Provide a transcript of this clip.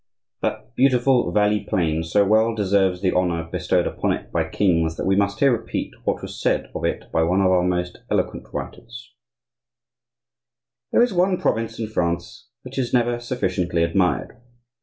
That beautiful valley plain so well deserves the honor bestowed upon it by kings that we must here repeat what was said of it by one of our most eloquent writers:— "There is one province in France which is never sufficiently admired.